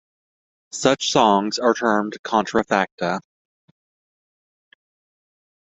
Such songs are termed contrafacta.